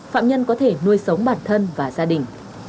phạm nhân có thể nuôi sống bản thân và gia đình